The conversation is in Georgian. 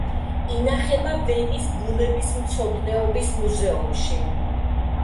ინახება ვენის ბუნებისმცოდნეობის მუზეუმში.